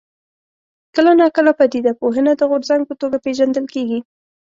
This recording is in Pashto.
کله ناکله پدیده پوهنه د غورځنګ په توګه پېژندل کېږي.